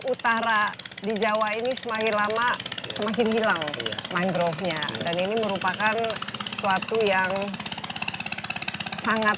utara di jawa ini semakin lama semakin hilang mangrovenya dan ini merupakan suatu yang sangat